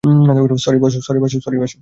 Sorry, Bhasu.